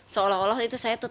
seolah olah itu saya tutup